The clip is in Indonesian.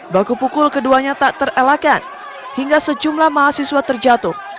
baku pukul keduanya tak terelakkan hingga sejumlah mahasiswa terjatuh